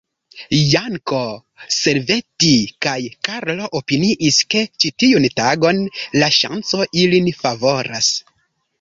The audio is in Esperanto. Janko, Servetti kaj Karlo opiniis, ke ĉi tiun tagon la ŝanco ilin favoras.